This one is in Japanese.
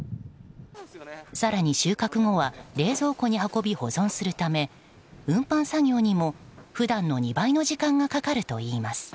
更に、収穫後は冷蔵庫に運び保存するため運搬作業にも普段の２倍の時間がかかるといいます。